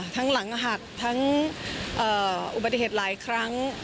หลังหักทั้งอุบัติเหตุหลายครั้ง